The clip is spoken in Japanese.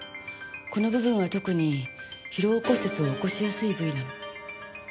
この部分は特に疲労骨折を起こしやすい部位なの。